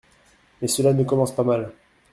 Mais cela ne commence pas mal.